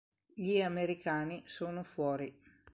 Gli americani sono fuori.